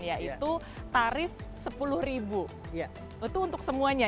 yaitu tarif rp sepuluh itu untuk semuanya